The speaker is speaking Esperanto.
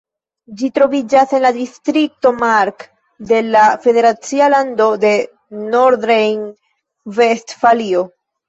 Ĝi troviĝas en la distrikto Mark de la federacia lando Nordrejn-Vestfalio.